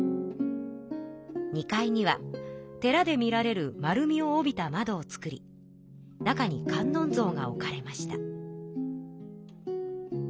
２階には寺で見られる丸みを帯びたまどを作り中に観音像が置かれました。